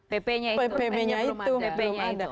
ppnya itu belum ada